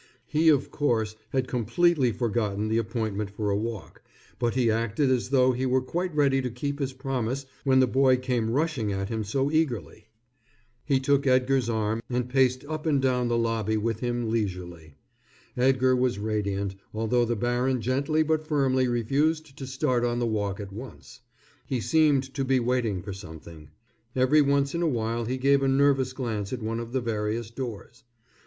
He, of course, had completely forgotten the appointment for a walk, but he acted as though he were quite ready to keep his promise when the boy came rushing at him so eagerly. He took Edgar's arm and paced up and down the lobby with him leisurely. Edgar was radiant, although the baron gently but firmly refused to start on the walk at once. He seemed to be waiting for something. Every once in a while he gave a nervous glance at one of the various doors.